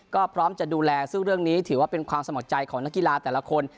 ก็พร้อมจะดูแลซึ่งเรื่องนี้ถือว่าเป็นความสมัครใจของนักกีฬาแต่ละคน